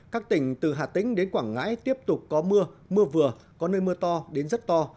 các tỉnh từ hà tĩnh đến quảng ngãi tiếp tục có mưa mưa vừa có nơi mưa to đến rất to